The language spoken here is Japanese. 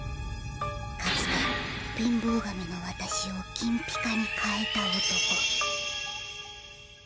かつて貧乏神のわたしを金ピカにかえた男。